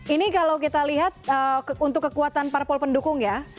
ini kalau kita lihat untuk kekuatan parpol pendukung ya